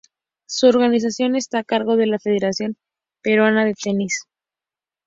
Su organización está a cargo de la Federación Peruana de Tenis.